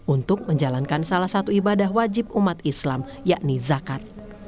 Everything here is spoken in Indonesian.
untuk menjalankan salah satu ibadah wajib umat islam yakni zakat